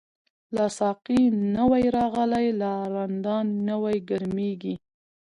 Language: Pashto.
لاسا قی نوی راغلی، لا رندان نوی ګرمیږی